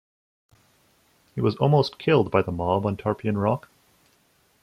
He was almost killed by the mob on the Tarpeian Rock.